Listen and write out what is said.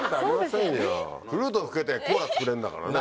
フルート吹けてコーラ作れるんだからね。